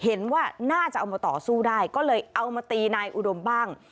เห็นว่าน่าจะเอามาต่อสู้ได้ก็เลยเอามาตีนายอุดมบ้าง